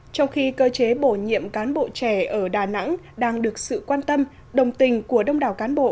trong khi cơ chế bổ nhiệm cán bộ trẻ ở đà nẵng đang được sự quan tâm đồng tình của đông đảo cán bộ